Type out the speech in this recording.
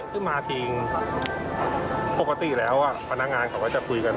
ขึ้นมาจริงปกติแล้วพนักงานเขาก็จะคุยกัน